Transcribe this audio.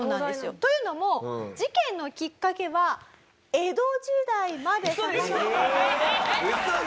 というのも事件のきっかけは江戸時代までさかのぼります。